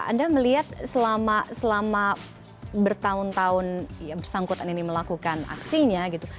anda melihat selama bertahun tahun yang bersangkutan ini melakukan aksinya gitu